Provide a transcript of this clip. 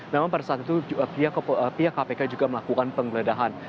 namun pada saat itu pihak kpk juga melakukan penggeledahan